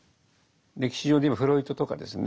歴史上で言えばフロイトとかですね